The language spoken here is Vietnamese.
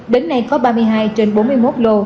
đến nay có ba mươi hai trên bốn mươi một lô